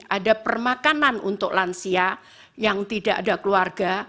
ada permakanan untuk lansia yang tidak ada keluarga